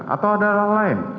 atau ada hal lain